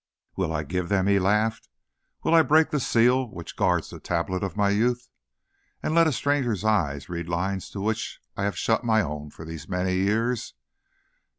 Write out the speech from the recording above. "Will I give them?" he laughed. "Will I break the seal which guards the tablets of my youth, and let a stranger's eyes read lines to which I have shut my own for these many years!